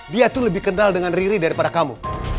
dia tuh lebih kenal dengan riri daripada kamu